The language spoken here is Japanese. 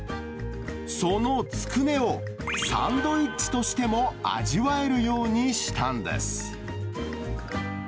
そのつくねを、サンドイッチとしても味わえるようにしたんです。